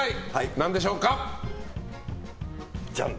何でしょうか。